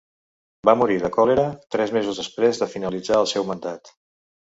Va morir de còlera tres mesos després de finalitzar el seu mandat.